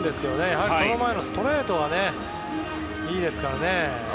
やはり、その前のストレートがいいですからね。